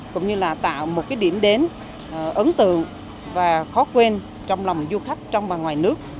cũng như là tạo một điểm đến ấn tượng và khó quên trong lòng du khách trong và ngoài nước